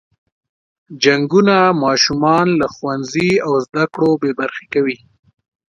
جنګونه ماشومان له ښوونځي او زده کړو بې برخې کوي.